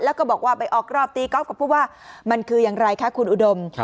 แล้วก็บอกว่าไปออกรอบตีก๊อฟกับผู้ว่ามันคืออย่างไรคะคุณอุดม